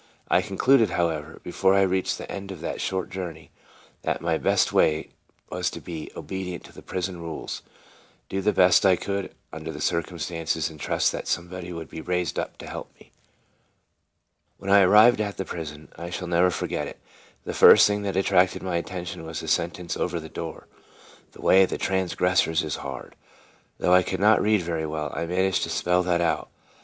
13 I concluded, however, before I reached the end of that short journey, that my best way was to be obedient to prison rules, do the best I could under the circumstances, and trust that somebody would be raised up to help me. When I arrived at the prison I shall never forget it the first thing that attracted my attention was the sentence over the door: " The way of transgressors is hard." Though I could not read very well, I managed to spell that out.